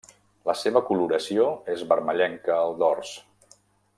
La seva coloració és vermellenca al dors.